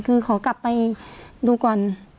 คือขอกลับไปดูก่อน